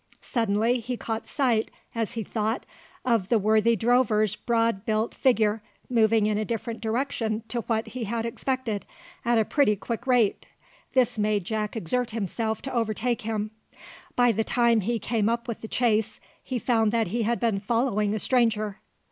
Suddenly he caught sight, as he thought, of the worthy drover's broad built figure, moving in a different direction to what he had expected at a pretty quick rate. This made Jack exert himself to overtake him. By the time he came up with the chase, he found that he had been following a stranger.